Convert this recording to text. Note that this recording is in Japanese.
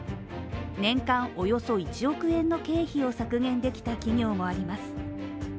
年間およそ１億円の経費を削減できた企業もあります。